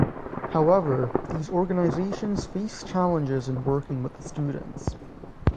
However, these organizations face challenges in working with the students.